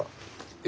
え？